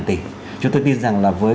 một mươi tỷ chúng tôi tin rằng là với